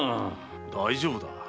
大丈夫だ。